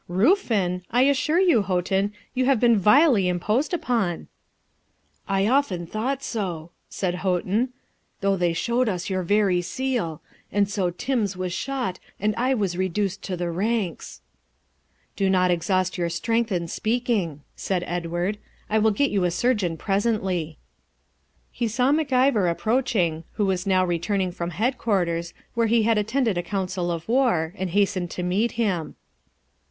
'Ruffin! I assure you, Houghton, you have been vilely imposed upon.' 'I often thought so,' said Houghton,'though they showed us your very seal; and so Tims was shot and I was reduced to the ranks.' 'Do not exhaust your strength in speaking,' said Edward; 'I will get you a surgeon presently.' He saw Mac Ivor approaching, who was now returning from headquarters, where he had attended a council of war, and hastened to meet him.